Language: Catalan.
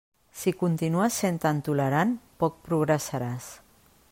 Si continues sent tan tolerant, poc progressaràs.